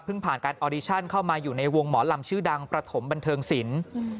ผ่านการออดิชั่นเข้ามาอยู่ในวงหมอลำชื่อดังประถมบันเทิงศิลป์